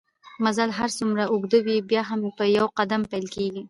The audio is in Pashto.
مزل که هرڅومره اوږده وي بیا هم په يو قدم پېل کېږي